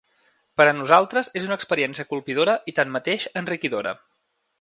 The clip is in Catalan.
Per a nosaltres és una experiència colpidora i tanmateix, enriquidora.